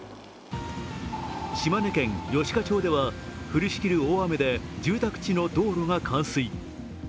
島根県吉賀町では降りしきる大雨で住宅地の道路が冠水。